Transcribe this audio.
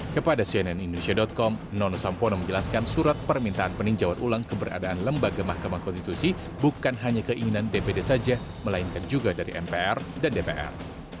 kepada cnn indonesia com nono sampono menjelaskan surat permintaan peninjauan ulang keberadaan lembaga mahkamah konstitusi bukan hanya keinginan dpd saja melainkan juga dari mpr dan dpr